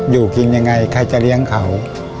อยู่กินยังไงใครจะเลี้ยงเขา